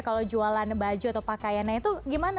kalau jualan baju atau pakaiannya itu gimana